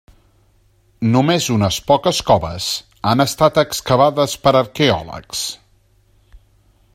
Només unes poques coves han estat excavades per arqueòlegs.